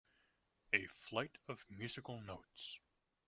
A flight of musical notes.